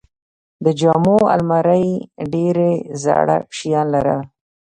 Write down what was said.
د جامو الماری ډېرې زاړه شیان لرل.